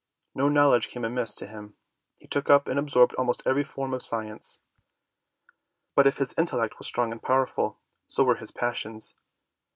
No knowledge came amiss to him. He took up and absorbed almost every form of science. But if his intellect was strong and powerful, so were his passions.